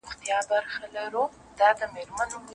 یو مذهب دی یو کتاب دی ورک د هر قدم حساب دی